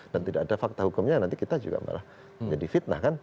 dan tidak ada fakta hukumnya nanti kita juga malah jadi fitnah kan